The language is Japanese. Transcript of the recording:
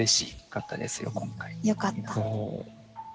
よかった。